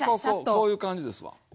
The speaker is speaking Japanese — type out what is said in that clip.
こういう感じですわ。